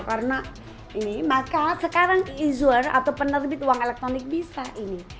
karena ini maka sekarang izur atau penerbit uang elektronik bisa ini